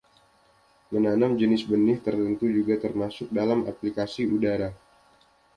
Menanam jenis benih tertentu juga termasuk dalam aplikasi udara.